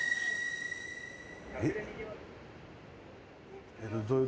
えっ？